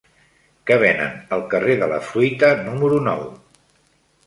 Què venen al carrer de la Fruita número nou?